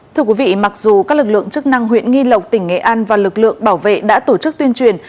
thưa quý vị mặc dù các lực lượng chức năng huyện nghi lộc tỉnh nghệ an và lực lượng bảo vệ đã tổ chức tuyên truyền